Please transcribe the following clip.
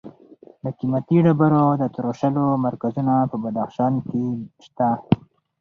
د قیمتي ډبرو د تراشلو مرکزونه په بدخشان کې شته.